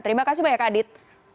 terima kasih banyak adit